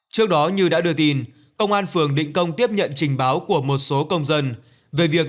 trước đó như đã đưa tin công an phường định công tiếp nhận trình báo của một số công dân về việc